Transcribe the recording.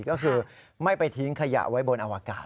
ก็คือไม่ไปทิ้งขยะไว้บนอวกาศ